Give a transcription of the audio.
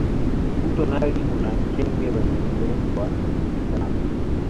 mto naili una kenge wenye urefu wa futi tatu